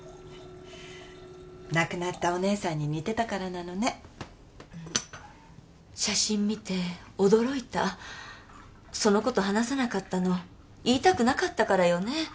亡くなったお姉さんに似てたからなのねうん写真見て驚いたそのこと話さなかったの言いたくなかったからよね